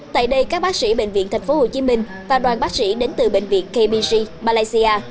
tại đây các bác sĩ bệnh viện tp hcm và đoàn bác sĩ đến từ bệnh viện kbg malaysia